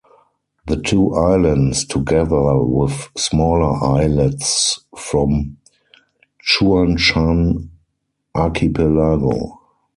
The two islands, together with smaller islets, form Chuanshan Archipelago.